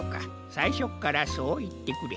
さいしょっからそういってくれ。